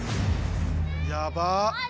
やばっ。